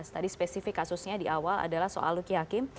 tadi spesifik kasusnya di awal adalah soal luki hakim